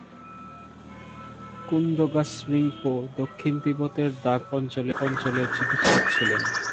কুন-দ্গা'-স্ন্যিং-পো দক্ষিণ তিব্বতের দ্বাগ্স-পো অঞ্চলের চিকিৎসক ছিলেন।